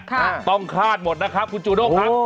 เรายังคาดหมดนะครับคุณจูโดวะค่ะ